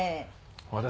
私。